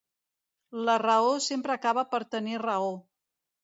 La raó sempre acaba per tenir raó.